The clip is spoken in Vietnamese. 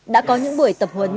đã có những buổi tập huấn